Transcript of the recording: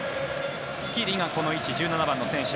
スキリがこの位置１７番の選手。